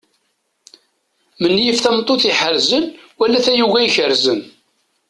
Menyif tameṭṭut iḥerzen wala tayuga ikerzen.